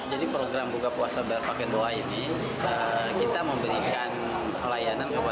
jadi program buka puasa berpakaian doa ini kita memberikan pelayanan kepada konsumen